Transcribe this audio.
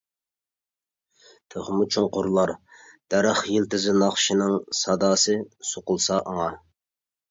تېخىمۇ چوڭقۇرلار دەرەخ يىلتىزى ناخشىنىڭ ساداسى سوقۇلسا ئاڭا.